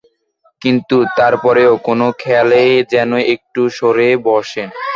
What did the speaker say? কিন্তু তারপরেও কোন খেয়ালে যেন একটু সরে বসেন।